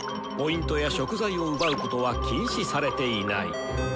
Ｐや食材を奪うことは禁止されていない。